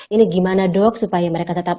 ini gimana dok supaya mereka tetap